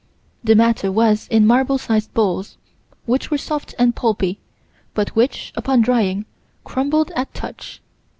The matter was in marble sized balls, which were soft and pulpy, but which, upon drying, crumbled at touch.